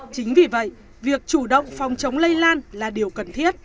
chính vì vậy việc chủ động phòng chống lây lan là điều cần thiết